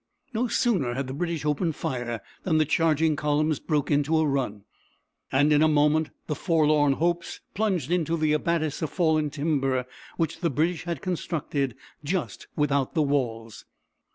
No sooner had the British opened fire than the charging columns broke into a run, and in a moment the forlorn hopes plunged into the abattis of fallen timber which the British had constructed just without the walls.